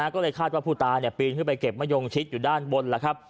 ก็เลยคาดว่าผู้ตายปีนขึ้นไปเก็บมะยงชิดอยู่ด้านบนแล้วครับ